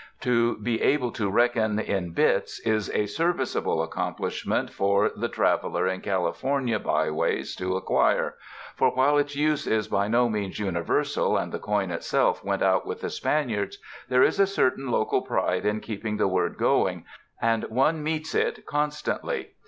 To be able to reckon in "bits" is a serviceable accomplishment for the traveler in 256 RESIDENCE IN THE LAND OF SUNSHINE California byways to acquire; for while its use is by no means universal and the coin itself went out with the Spaniards, there is a certain local pride in keeping the word going, and one meets it constantly.